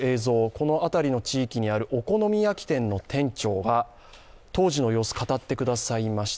この辺りの地域にあるお好み焼き店の店長が当時の様子、語ってくださいました